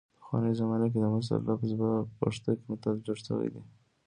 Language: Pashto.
پخوانۍ زمانه کې د مثل لفظ نه په پښتو کې متل جوړ شوی دی